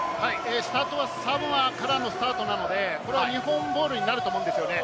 スタートはサモアからのスタートなので、日本ボールになると思うんですよね。